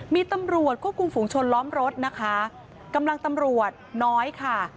มีตำรวจควบคุมฝุงชนล้อมรถนะคะกำลังตำรวจน้อยค่ะ